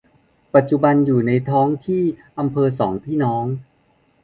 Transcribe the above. ปัจจุบันอยู่ในท้องที่อำเภอสองพี่น้อง